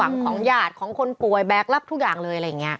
ของญาติของคนป่วยแบกรับทุกอย่างเลยอะไรอย่างนี้